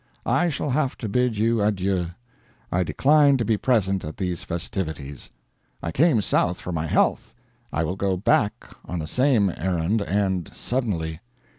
I shall have to bid you adieu. I decline to be present at these festivities. I came South for my health, I will go back on the same errand, and suddenly.